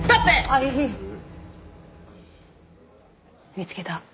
見つけた。